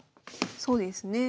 そうですね。